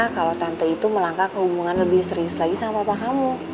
kalau tante itu melangkah ke hubungan lebih serius lagi sama pak kamu